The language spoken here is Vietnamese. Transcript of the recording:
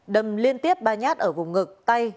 đầm liên tiếp ba nhát ở vùng ngực tay